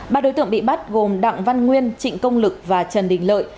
ba đối tượng bị bắt gồm đặng văn nguyên trịnh công lực và trần đình lợi